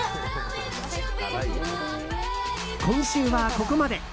今週はここまで。